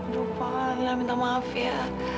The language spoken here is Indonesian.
aduh pak lila minta maaf ya